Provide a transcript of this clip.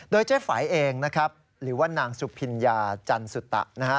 โดยเจ๊ไฝเองนะครับหรือว่านางสุพิญญาจันสุตะนะฮะ